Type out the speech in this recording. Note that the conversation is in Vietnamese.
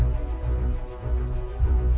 chi phí tiền